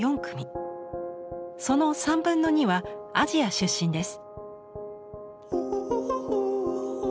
その３分の２はアジア出身です。